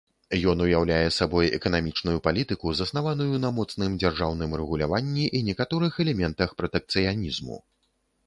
Ён уяўляе сабой эканамічную палітыку, заснаваную на моцным дзяржаўным рэгуляванні і некаторых элементах пратэкцыянізму.